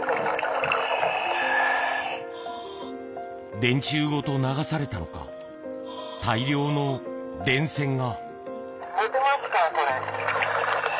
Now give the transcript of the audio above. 電柱ごと流されたのか、大量の電線が。